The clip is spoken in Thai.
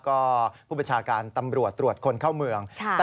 ก็ผู้บัญชาการตำรวจตรวจคนเข้าเมือง